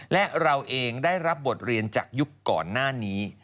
และเราเองได้รับบทเรียนจากยุคก่อนหน้านี้